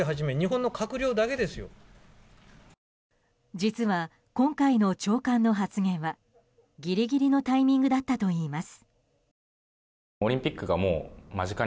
実は、今回の長官の発言はぎりぎりのタイミングだったといいます。